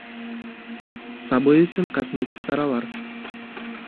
Сабый өсөн косметик саралар